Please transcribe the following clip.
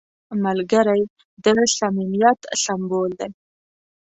ملګری د صمیمیت سمبول دی